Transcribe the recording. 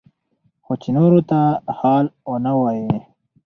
خو چې نورو ته حال ونه وايي.